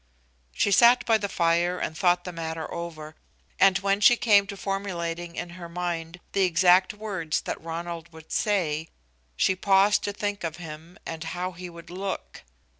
She sat by the fire and thought the matter over, and when she came to formulating in her mind the exact words that Ronald would say, she paused to think of him and how he would look.